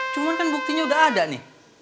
cuma kan buktinya udah ada nih